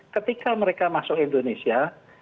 ketika mereka masuk indonesia